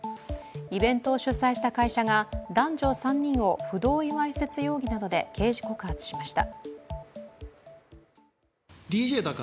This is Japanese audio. イベントを主催した会社が男女３人を不同意わいせつ容疑などで刑事告発しました。